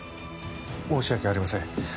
申し訳ありません。